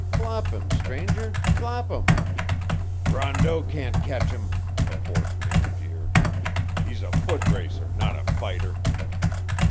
Flop him, stranger, flop him." "Rondeau can't catch him," a fourth man jeered. "He's a foot racer, not a fighter."